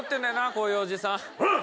こういうおじさんこら！